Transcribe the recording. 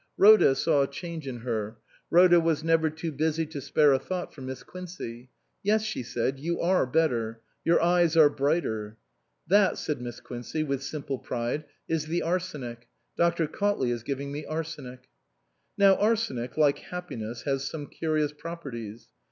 Rhoda saw a change in her ; Rhoda was never too busy to spare a thought for Miss Quincey. " Yes," she said, " you are better. Your eyes are brighter." " That," said Miss Quincey, with simple pride, " is the arsenic. Dr. Cautley is giving me arsenic." Now arsenic (like happiness) has some curious properties.